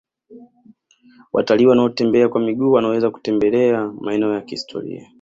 watalii wanaotembea kwa miguu wanaweza kutembelea maeneo ya kihistoria